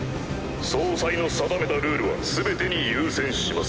総裁の定めたルールは全てに優先します。